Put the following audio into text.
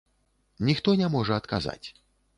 Ніхто не можа адказаць.